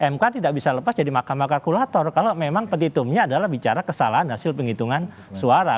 mk tidak bisa lepas jadi mahkamah kalkulator kalau memang petitumnya adalah bicara kesalahan hasil penghitungan suara